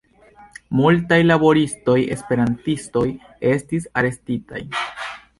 Multaj laboristoj-esperantistoj estis arestitaj.